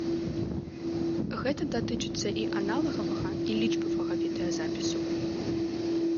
Гэта датычыцца і аналагавага і лічбавага відэазапісу.